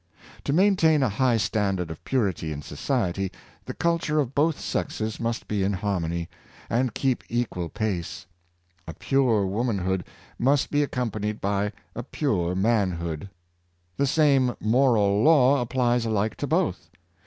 To maintain a high standard of purity in society, the culture of both sexes must be in harmony, and keep equal pace. A pure womanhood must be accompanied by a pure manhood. The same moral law applies alike 36 562 The Sentiment of Love, to both.